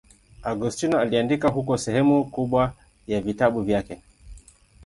Agostino aliandika huko sehemu kubwa ya vitabu vyake.